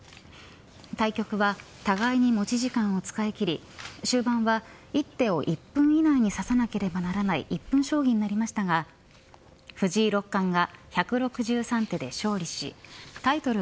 対局は互いに持ち時間を使い切り終盤は１手を１分以内に指さなければならない１分将棋になりましたが藤井六冠が１６３手で勝利しタイトル